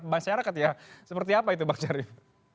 bang syarif seperti apa itu bang syarif